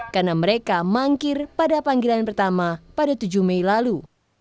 karena mereka mangkir pada panggilan pertama pada tujuh mei lalu